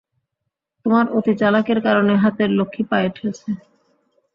তোমার অতি চালাকির কারণে হাতের লক্ষী পায়ে ঠেলেছ।